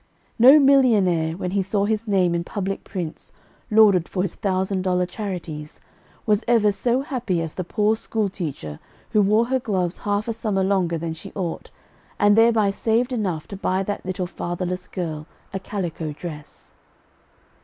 No millionaire, when he saw his name in public prints, lauded for his thousand dollar charities, was ever so happy as the poor school teacher who wore her gloves half a summer longer than she ought, and thereby saved enough to buy that little fatherless girl a calico dress.